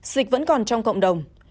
dịch vẫn còn trong cộng đồng